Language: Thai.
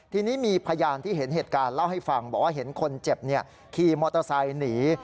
ทีนี้มีพยานที่เห็นเหตุการณ์เล่าให้ฟังบอกว่าเห็นคนเจ็บขี่มอเตอร์ไซค์หนี